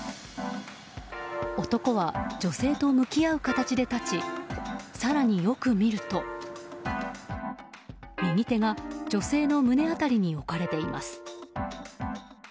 男は女性と向き合う形で立ち更によく見ると右手が女性の胸辺りに置かれています。